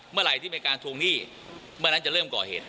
เมื่อไหร่ที่เป็นการทวงหนี้เมื่อนั้นจะเริ่มก่อเหตุ